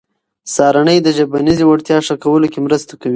سهارنۍ د ژبنیزې وړتیا ښه کولو کې مرسته کوي.